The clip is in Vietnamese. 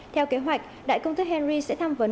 theo kế hoạch đại công thức henry sẽ tham vấn